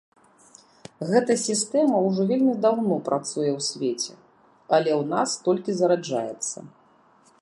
Гэта сістэма ўжо вельмі даўно працуе ў свеце, але ў нас толькі зараджаецца.